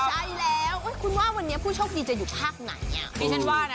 ใช่แล้วคุณว่าวันนี้ผู้โชคดีจะอยู่ภาคไหน